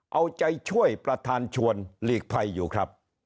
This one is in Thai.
เอาใจช่วยประธานชวนหลีกภัยอยู่ครับ